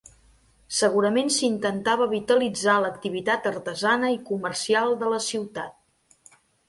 Segurament s'intentava vitalitzar l'activitat artesana i comercial de la ciutat.